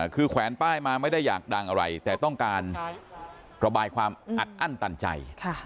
คือแขวนป้ายมาไม่ได้อยากดังอะไรแต่ต้องการระบายความอัดอั้นตันใจ